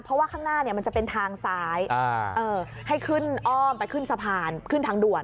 เพราะว่าข้างหน้ามันจะเป็นทางซ้ายให้ขึ้นอ้อมไปขึ้นสะพานขึ้นทางด่วน